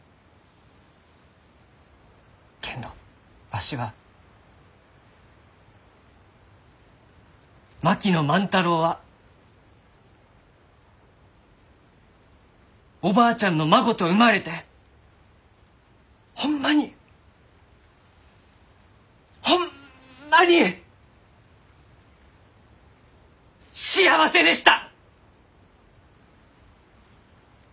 けんどわしは槙野万太郎はおばあちゃんの孫と生まれてホンマにホンマに幸せでした！